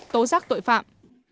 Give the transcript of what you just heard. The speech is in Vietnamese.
tố giác tội phạm